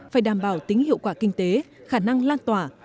phải đảm bảo tính hiệu quả kinh tế khả năng lan tỏa